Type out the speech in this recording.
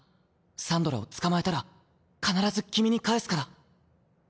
サンドラを捕まえたら必ず君に返すから。